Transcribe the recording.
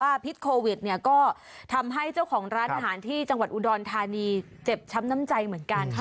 พิษโควิดเนี่ยก็ทำให้เจ้าของร้านอาหารที่จังหวัดอุดรธานีเจ็บช้ำน้ำใจเหมือนกัน